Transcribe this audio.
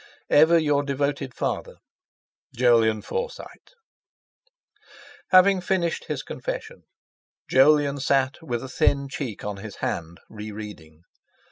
"Ever your devoted father, "JOLYON FORSYTE." Having finished his confession, Jolyon sat with a thin cheek on his hand, re reading.